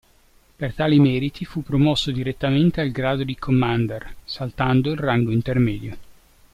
Per tali meriti fu promosso direttamente al grado di commander, saltando il rango intermedio.